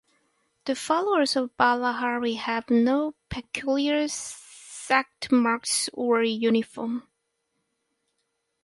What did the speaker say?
The followers of Bala Hari have no peculiar sect marks or uniform.